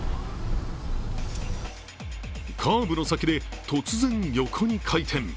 カーブの先で突然、横に回転。